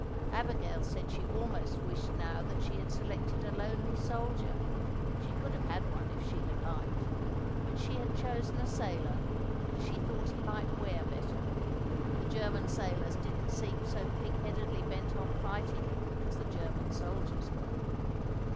Abigail said she almost wished now that she had selected a lonely soldier; she could have had one if she had liked; but she had chosen a sailor because she thought he might wear better. The German sailors didn't seem so pigheadedly bent on fighting as the German soldiers were.